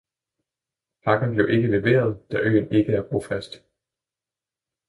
Pakken blev ikke leveret, da øen ikke er brofast.